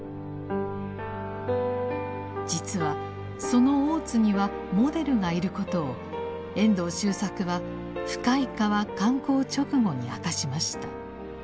実はその大津にはモデルがいることを遠藤周作は「深い河」刊行直後に明かしました。